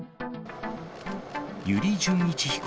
油利潤一被告